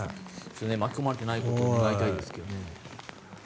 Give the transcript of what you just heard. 巻き込まれていないことを願いたいですけど。